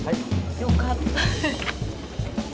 よかった！